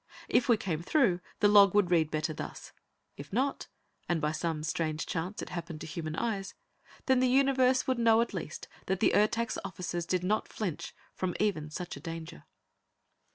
If we came through, the log would read better thus; if not, and by some strange chance it came to human eyes, then the Universe would know at least that the Ertak's officers did not flinch from even such a danger.